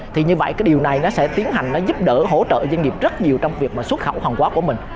thì như vậy cái điều này nó sẽ tiến hành nó giúp đỡ hỗ trợ doanh nghiệp rất nhiều trong việc mà xuất khẩu hàng quá của mình